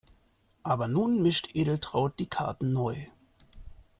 Aber nun mischt Edeltraud die Karten neu.